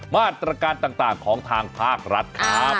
มาตรการต่างของทางภาครัฐครับ